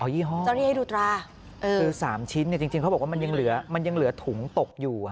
อ๋อยี่ห้อสามชิ้นเนี่ยจริงเขาบอกว่ามันยังเหลือถุงตกอยู่ฮะ